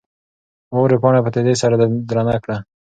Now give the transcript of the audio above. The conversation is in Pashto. واورې پاڼه په تېزۍ سره درنه کړه.